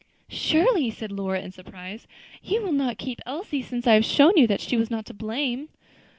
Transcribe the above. "Surely," said Lora, in surprise, "you will not keep Elsie, since I have shown you that she was not to blame."